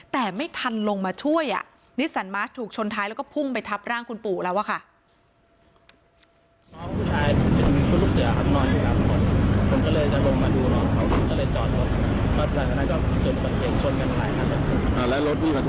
แต่ไม่ทันลงมาช่วยนิสสันมาสถูกชนท้ายแล้วก็พุ่งไปทับร่างคุณปู่แล้วอะค่ะ